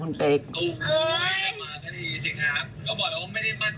ก็บอกไม่ได้มั่นใจแค่ตั้งใจยังไม่รู้เลยแต่ขอให้มีแล้วกัน